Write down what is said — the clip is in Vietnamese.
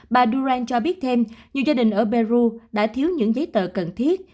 bà duran cho biết thêm nhiều gia đình ở peru đã thiếu những giấy tờ cần thiết